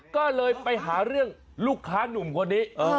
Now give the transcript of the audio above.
ก็เลยไปหาเรื่องลูกค้านุ่มคนนี้